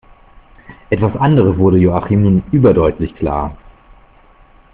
Etwas anderes wurde Joachim nun überdeutlich klar.